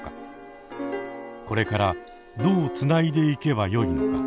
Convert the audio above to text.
これからどうつないでいけばよいのか。